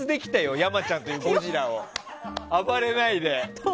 山ちゃんというゴジラを暴れないで。